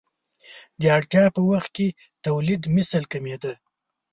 د اړتیا په وخت کې تولیدمثل کمېده.